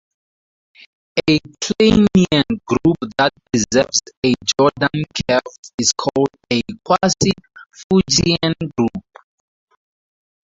A Kleinian group that preserves a Jordan curve is called a quasi-Fuchsian group.